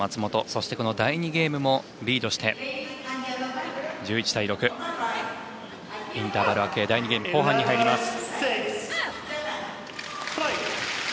そして第２ゲームもリードしてインターバル明け第２ゲーム後半に入ります。